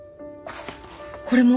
これも。